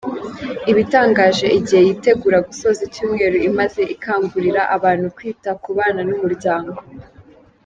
Ibitangaje igihe yitegura gusoza icyumweru imaze ikangurira abantu kwita ku bana n’umuryango.